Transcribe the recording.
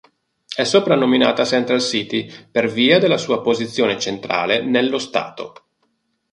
È soprannominata "Central City" per via della sua posizione centrale nello stato.